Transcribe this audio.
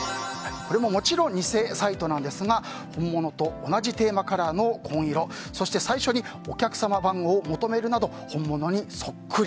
これももちろん偽サイトですが本物と同じテーマカラーの紺色そして最初にお客様番号を求めるなど本物にそっくり。